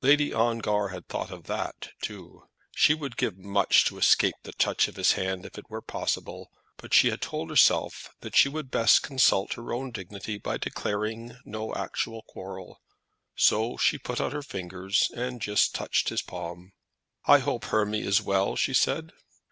Lady Ongar had thought of that too. She would give much to escape the touch of his hand, if it were possible; but she had told herself that she would best consult her own dignity by declaring no actual quarrel. So she put out her fingers and just touched his palm. "I hope Hermy is well?" she said.